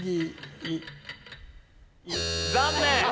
残念。